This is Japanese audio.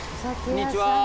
こんにちは。